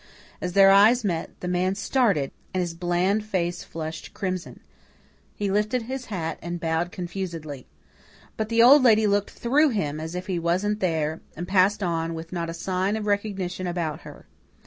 As their eyes met, the man started and his bland face flushed crimson; he lifted his hat and bowed confusedly. But the Old Lady looked through him as if he wasn't there, and passed on with not a sign of recognition about her.